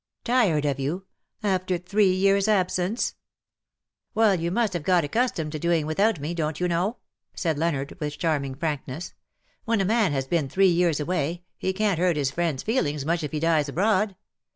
'^" Tired of you ! After three years' absence ?^^'' Weil, you must have got accustomed to doing without me, don't you know," said Leonard, with charming frankness. " When a man has been three years away he can't hurt his friend's feelings much if he dies abroad.